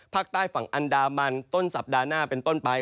ภาคใต้ฝั่งอันดามันต้นสัปดาห์หน้าเป็นต้นไป